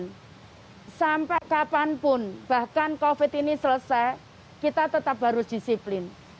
dan sampai kapanpun bahkan covid ini selesai kita tetap harus disiplin